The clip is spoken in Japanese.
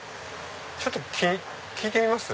ちょっと聞いてみます？